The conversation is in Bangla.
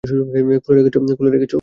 খুলে রেখেছো কেন?